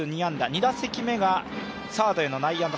２打席目がサードへの内野安打。